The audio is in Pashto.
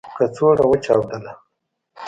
کڅوړه و چاودله .